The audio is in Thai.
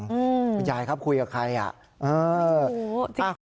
คุณยายครับคุยกับใครอ่ะไม่รู้